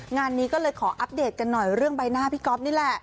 งานนี้ก็เลยขออัปเดตกันหน่อยเรื่องใบหน้าพี่ก๊อฟนี่แหละ